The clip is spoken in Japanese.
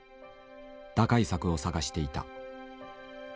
打開策を探していた。